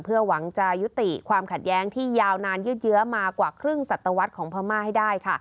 เพื่อหวังจะยุติความขัดแย้งที่ยาวนานยืดเยอะมากว่าครึ่งสัตวรรษของพม่าให้ได้ค่ะ